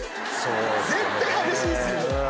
絶対激しいですよね。